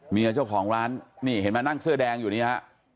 เมียเจ้าของร้านนี่เห็นไหมนั่งเสื้อแดงอยู่นี่ฮะ